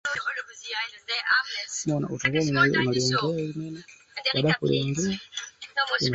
Ambapo ofisi zao ndio pale Mkonge hotelini kwa sasa